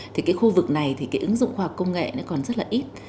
thì cái khu vực này thì cái ứng dụng khoa học công nghệ nó còn rất là ít